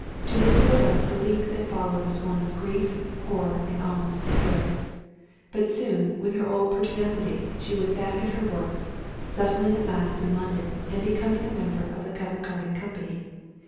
To his widow the week that followed was one of "grief, horror, and almost despair"; but soon, with her old pertinacity, she was back at her work, settling at last in London, and becoming a member of the Covent Garden company.